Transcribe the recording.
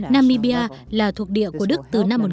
namibia là một trong những nền hòa bình của đất nước